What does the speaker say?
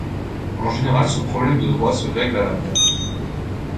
En général, ce problème de Droit se règle à l'amiable.